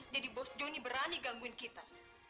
jadi bos johnny berani gangguin kita